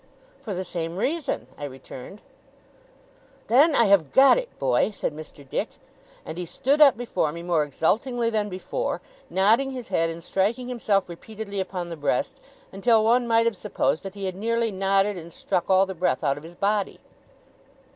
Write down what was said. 'For the same reason,' I returned. 'Then, I have got it, boy!' said Mr. Dick. And he stood up before me, more exultingly than before, nodding his head, and striking himself repeatedly upon the breast, until one might have supposed that he had nearly nodded and struck all the breath out of his body.